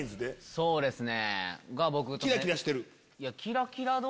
そうですね。